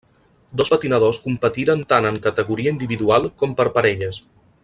Dos patinadors competiren tant en categoria individual com per parelles.